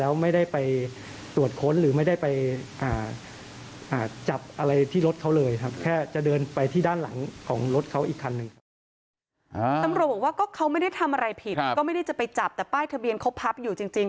ตำรวจบอกว่าก็เขาไม่ได้ทำอะไรผิดก็ไม่ได้จะไปจับแต่ป้ายทะเบียนเขาพับอยู่จริง